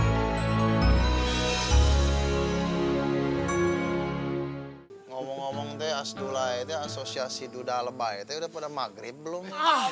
hai ngomong ngomong teh asdulaih asosiasi duda lebay teh udah pada maghrib belum